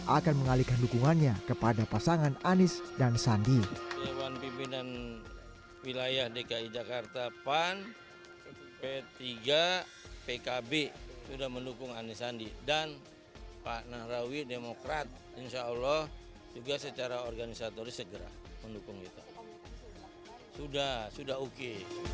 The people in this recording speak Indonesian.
akan mengalihkan dukungannya kepada pasangan anies dan sandi